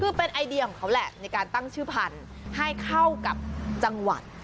คือเป็นไอเดียของเขาแหละในการตั้งชื่อพันธุ์ให้เข้ากับจังหวัด